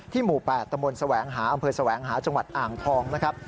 หมู่๘ตมแสวงหาอำเภอแสวงหาจังหวัดอ่างทองนะครับ